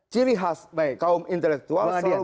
cili khas kaum intelektual selalu